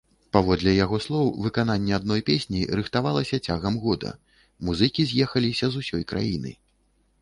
Паводле яго слоў, выкананне адной песні рыхтавалася цягам года, музыкі з'ехаліся з усёй краіны.